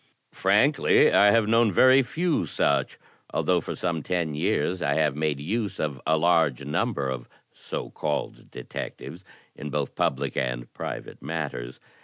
Frankly, I have known very few such, although for some ten years I have made use of a large number of so called detectives in both public and private matters.